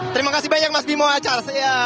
terima kasih banyak mas bimo achard